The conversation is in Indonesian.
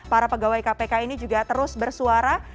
para pegawai kpk ini juga terus bersuara